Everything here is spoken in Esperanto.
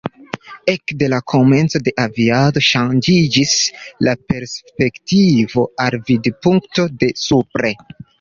Ekde la komenco de aviado, ŝanĝiĝis la perspektivo al vidpunkto de supre.